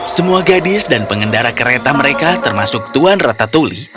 semua gadis dan pengendara kereta mereka termasuk tuan ratatuli